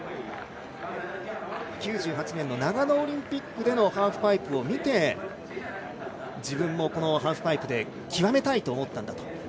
９８年、長野オリンピックでのハーフパイプを見て自分もハーフパイプで極めたいと思ったんだと。